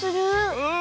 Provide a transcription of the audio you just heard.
うん。